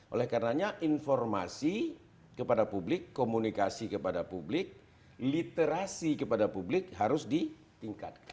oleh karenanya informasi kepada publik komunikasi kepada publik literasi kepada publik harus ditingkatkan